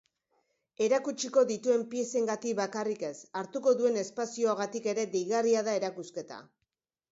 Erakutsiko dituen piezengatik bakarrik ez, hartuko duen espazioagatik ere deigarria da erakusketa.